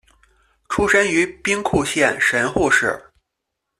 出身于兵库县神户市。